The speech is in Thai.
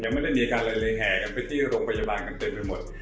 ไม่ได้มีอาการอะไรเลยแห่กันไปที่โรงพยาบาลกันเต็มไปหมด